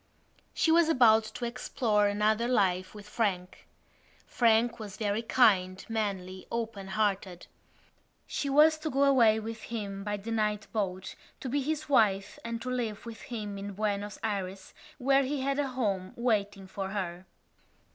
She was about to explore another life with Frank. Frank was very kind, manly, open hearted. She was to go away with him by the night boat to be his wife and to live with him in Buenos Ayres where he had a home waiting for her.